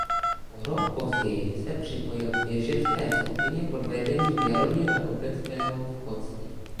O rok později se připojil k běžecké skupině pod Vedením Jaromíra Kopeckého v Chocni.